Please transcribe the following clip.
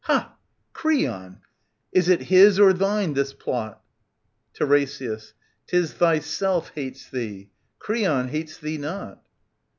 Ha ! Creon !— Is it his or thine, this plot ? TiRESIAS. *Tis thyself hates thee. Creon hates thee not.